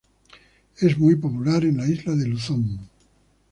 Es muy popular en la isla de Luzón.